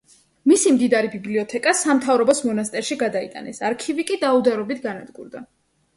მისი მდიდარი ბიბლიოთეკა სამთავროს მონასტერში გადაიტანეს, არქივი კი დაუდევრობით განადგურდა.